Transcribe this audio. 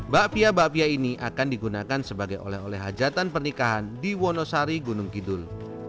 bakpia bapia ini akan digunakan sebagai oleh oleh hajatan pernikahan di wonosari gunung kidul